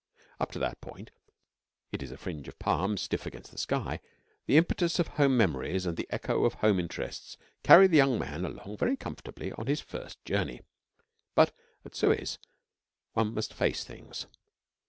Up to that point it is a fringe of palms, stiff against the sky the impetus of home memories and the echo of home interests carry the young man along very comfortably on his first journey. But at Suez one must face things.